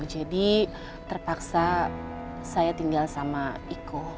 jadi terpaksa saya tinggal sama iko